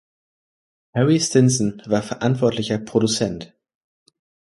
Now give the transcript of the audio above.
Harry Stinson war verantwortlicher Produzent.